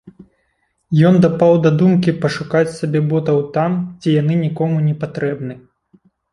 Ён дапаў да думкі пашукаць сабе ботаў там, дзе яны нікому не патрэбны.